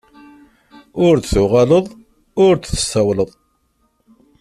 Ur d-tuɣaleḍ ur d-tsawleḍ.